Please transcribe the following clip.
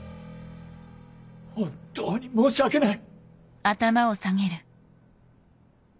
本当に申し訳ない！